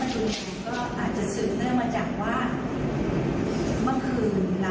ก็เลยคิดว่ามันอาจจะเป็นส่วนหนึ่งที่ทำให้เขาเป็นโอโหและความควบคุมเพียงไม่ได้